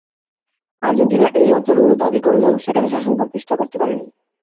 Argentina এই অঞ্চলগুলি দাবি করলেও, সেখানে শাসন প্রতিষ্ঠা করতে পারেনি।